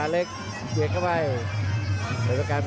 ล้อปีด้วยขาวขวาเล็กเกาะใน